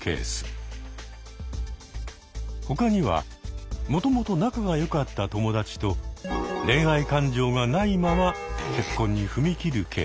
他にはもともと仲が良かった友達と恋愛感情がないまま結婚に踏み切るケース。